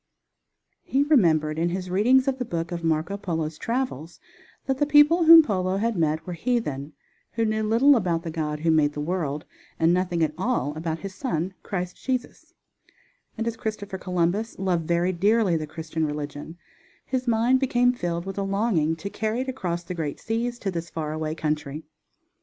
He remembered in his readings of the book of Marco Polo's travels that the people whom Polo had met were heathen who knew little about the God who had made the world, and nothing at all about His Son, Christ Jesus, and as Christopher Columbus loved very dearly the Christian religion, his mind became filled with a longing to carry it across the great seas to this far away country.